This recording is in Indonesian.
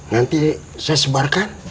nanti saya sebarkan